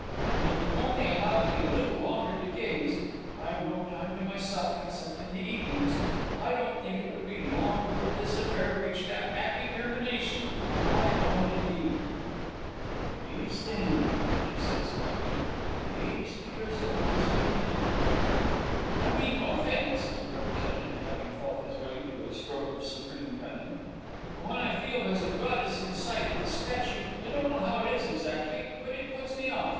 And if you only allowed me a little longer to gaze (I've no time to myself except in the evenings), I don't think it would be long before this affair reached a 'appy termination I don't indeed!" "Gaze, then," she said, smiling "gaze to your soul's content." "I mean no offence," he represented, having felt his way to a stroke of supreme cunning, "but when I feel there's a goddess inside of this statue, I don't know how it is exactly, but it puts me off.